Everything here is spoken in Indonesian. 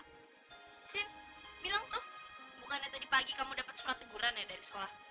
husin bilang tuh bukannya tadi pagi kamu dapet surat teguran ya dari sekolah